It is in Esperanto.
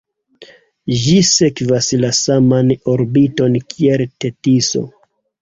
Ĝi sekvas la saman orbiton kiel Tetiso.